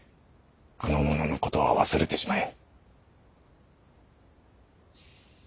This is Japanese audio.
あの者のことは忘れてしまえ。